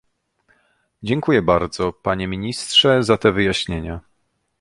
Dziękuję bardzo, panie ministrze, za te wyjaśnienia